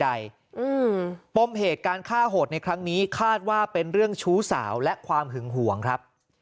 ปมเหตุการฆ่าโหดในครั้งนี้คาดว่าเป็นเรื่องชู้สาวและความหึงห่วงครับ